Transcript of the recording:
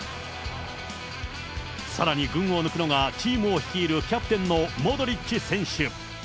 さらに群を抜くのが、チームを率いるキャプテンのモドリッチ選手。